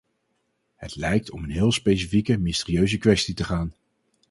Het lijkt om een heel specifieke, mysterieuze kwestie te gaan.